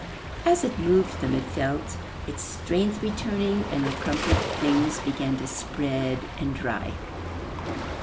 As it moved them it felt its strength returning and the crumpled things began to spread and dry.